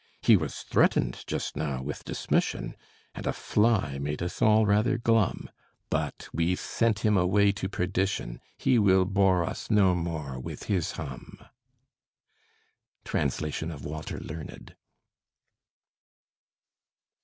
He was threatened just now with dismission, And a fly made us all rather glum: But we've sent him away to perdition; He will bore us no more with his hum. Translation of Walter Learned.